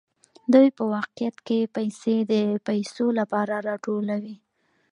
دوی په واقعیت کې پیسې د پیسو لپاره راټولوي